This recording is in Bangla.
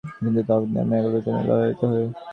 কিন্তু তথাপি আমরা এগুলির জন্য লালায়িত হই।